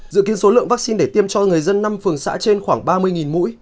dự kiến số lượng vaccine để tiêm cho người dân năm phường xã trên khoảng ba mươi mũi